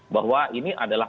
bahwa ini adalah